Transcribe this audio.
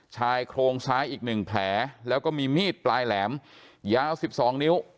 ชายโครงซ้ายอีกหนึ่งแผลแล้วก็มีมีดปลายแหลมยาวสิบสองนิ้ว